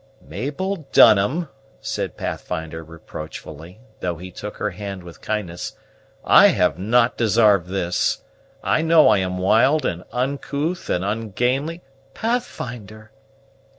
"Mabel Dunham," said Pathfinder reproachfully, though he took her hand with kindness, "I have not desarved this. I know I am wild, and uncouth, and ungainly " "Pathfinder!"